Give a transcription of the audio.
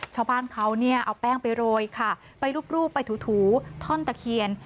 ชาวบ้านเขาเนี่ยเอาแป้งไปโรยค่ะไปรูปไปถูท่อนตะเคียน